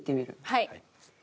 はい。